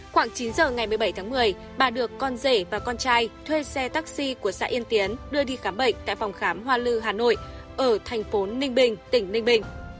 khoảng chín giờ ngày một mươi bảy tháng một mươi bà được con rể và con trai thuê xe taxi của xã yên tiến đưa đi khám bệnh tại phòng khám hoa lư hà nội ở thành phố ninh bình tỉnh ninh bình